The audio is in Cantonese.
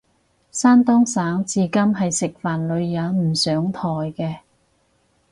山東省至今係食飯女人唔上枱嘅